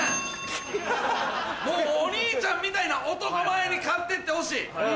もうお兄ちゃんみたいな男前に買ってってほしい！